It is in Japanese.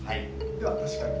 では確かに。